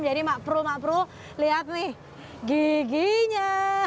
jadi mak prul mak prul lihat nih giginya